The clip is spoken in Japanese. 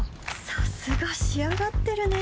さすが仕上がってるね